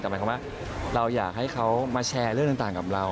แต่หมายความว่าเราอยากให้เขามาแชร์เรื่องต่างกับเรา